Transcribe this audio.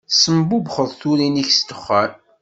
Tesbumbxeḍ turin-ik s ddexxan.